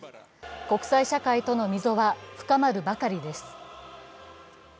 国際社会との溝は深まるばかりです。